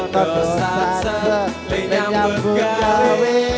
kau saksa lenyam berkari